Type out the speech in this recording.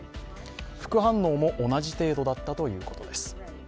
副反応も同じ程度だったということです。